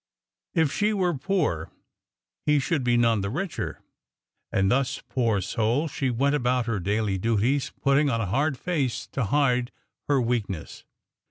If she were poor, he should be none the richer. And thus, poor soul, she went about her daily duties, putting on a hard face to hide her weakness.